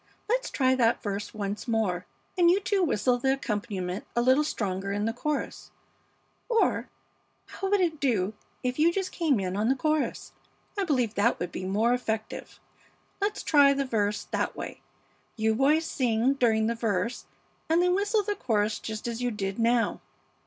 Let's try that verse once more, and you two whistle the accompaniment a little stronger in the chorus; or how would it do if you just came in on the chorus? I believe that would be more effective. Let's try the first verse that way; you boys sing during the verse and then whistle the chorus just as you did now.